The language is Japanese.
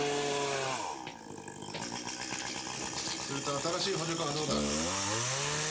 それと新しい補助官はどうだ？